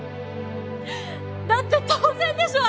だって当然でしょ